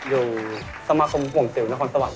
อยู่สมาคมกวงสิวนครสวรรค์